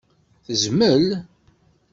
Tezmel?